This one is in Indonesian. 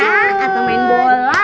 bisa atau main bola